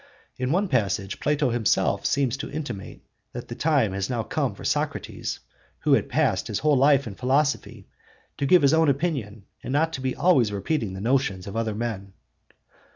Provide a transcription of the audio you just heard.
In one passage Plato himself seems to intimate that the time had now come for Socrates, who had passed his whole life in philosophy, to give his own opinion and not to be always repeating the notions of other men.